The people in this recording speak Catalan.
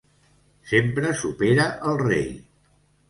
Sempre supera el rei.